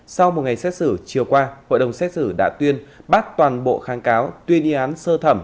sau một ngày xét xử chiều qua hội đồng xét xử đã tuyên bắt toàn bộ kháng cáo tuyên y án sơ thẩm